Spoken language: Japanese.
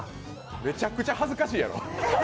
めちゃくちゃ恥ずかしいやろ。